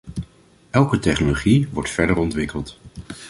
Elke technologie wordt verder ontwikkeld.